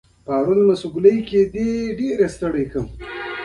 التزامي یا احتمالي حال په اوسنۍ زمانه کې پېښېدل بیانوي.